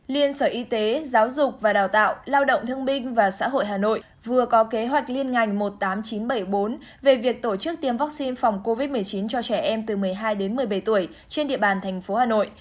liên sở y tế giáo dục và đào tạo lao động thương minh và xã hội hà nội vừa có kế hoạch liên ngành một mươi tám nghìn chín trăm bảy mươi bốn về việc tổ chức tiêm vaccine phòng covid một mươi chín cho trẻ em từ một mươi hai đến một mươi bảy tuổi trên địa bàn thành phố hà nội